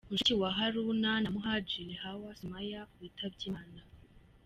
Mushiki wa Haruna na Muhadjili Hawa Sumaya witabye Imana.